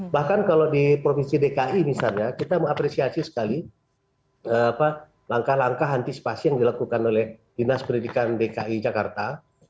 bahkan kalau di provinsi dki misalnya kita mengapresiasi sekali langkah langkah antisipasi yang dilakukan oleh dinas pendidikan dki jakarta